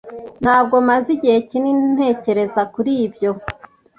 Ntabwo maze igihe kinini ntekereza kuri ibyo.